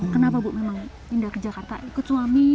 kenapa bu memang pindah ke jakarta ikut suami